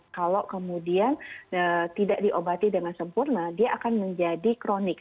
kalau kemudian tidak diobati dengan sempurna dia akan menjadi kronik